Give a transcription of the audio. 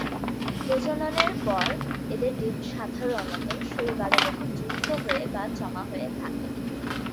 প্রজননের পর এদের ডিম সাধারণত শৈবালের উপর যুক্ত হয়ে বা জমা হয়ে থাকে।